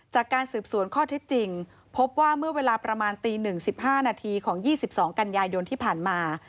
จากการสืบสวนข้อเท็จจริงพบว่าเมื่อเวลาประมาณตี๑๑๕นาทีของ๒๒กันยายนที่ผ่านมา